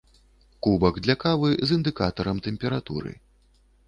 Кубак для кавы з індыкатарам тэмпературы.